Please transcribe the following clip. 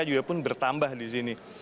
juga pun bertambah di sini